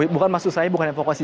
bukan maksud saya evokasi